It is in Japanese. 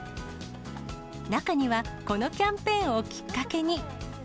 中には、このキャンペーンをきっかけに。